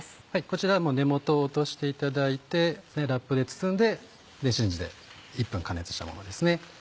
こちらは根元を落としていただいてラップで包んで電子レンジで１分加熱したものですね。